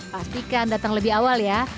pastikan datang lebih awal ya